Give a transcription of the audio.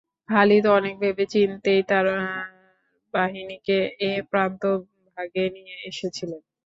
খালিদ অনেক ভেবে-চিন্তেই তার বাহিনীকে এ প্রান্তভাগে নিয়ে এসেছিলেন।